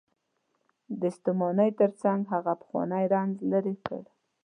د ستومانۍ تر څنګ هغه پخوانی رنځ لرې کړ.